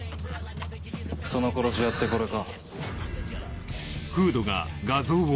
その殺し屋ってこれか？